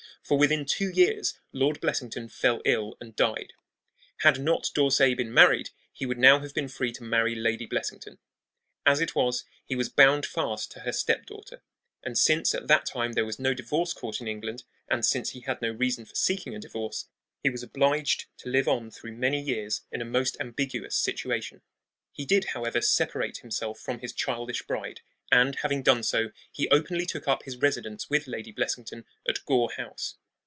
For within two years Lord Blessington fell ill and died. Had not D'Orsay been married he would now have been free to marry Lady Blessington. As it was, he was bound fast to her stepdaughter; and since at that time there was no divorce court in England, and since he had no reason for seeking a divorce, he was obliged to live on through many years in a most ambiguous situation. He did, however, separate himself from his childish bride; and, having done so, he openly took up his residence with Lady Blessington at Gore House.